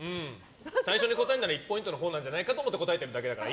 最初に答えるなら１ポイントのほうじゃないかと思って答えてるだけだから。